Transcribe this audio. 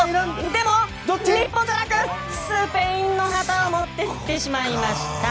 でも、日本じゃなくスペインの旗を持っていってしまいました。